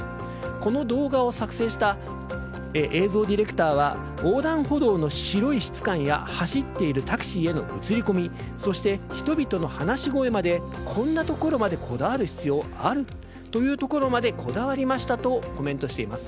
この動画を作成した映像ディレクターは横断歩道の白い質感や走っているタクシーへの映り込みそして、人々の話し声までこんなところまでこだわる必要ある？というところまでこだわりましたとコメントしています。